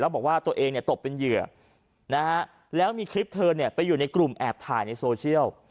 บอกว่าตัวเองตกเป็นเหยื่อนะฮะแล้วมีคลิปเธอไปอยู่ในกลุ่มแอบถ่ายในโซเชียล